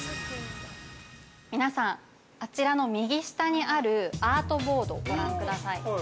◆皆さん、あちらの右下にあるアートボードをご覧ください。